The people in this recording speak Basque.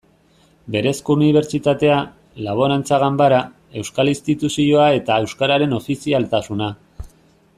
Berezko unibertsitatea, Laborantza Ganbara, Euskal Instituzioa eta euskararen ofizialtasuna.